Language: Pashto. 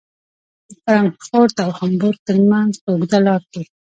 د فرانکفورت او هامبورګ ترمنځ په اوږده لاره کې.